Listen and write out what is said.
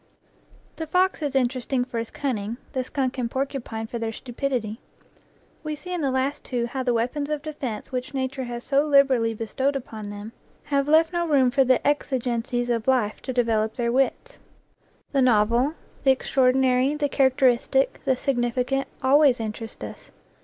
The fox is inter esting for his cunning, the skunk and porcupine for their stupidity. We see in the last two how the weapons of defense which Nature has so liberally bestowed upon them have left no room for the exi gencies of life to develop their wits. 29 NEW GLEANINGS IN OLD FIELDS The novel, the extraordinary, the characteristic, the significant, always interest us.